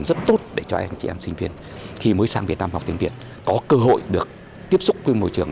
rất tốt để cho anh chị em sinh viên khi mới sang việt nam học tiếng việt có cơ hội được tiếp xúc với môi trường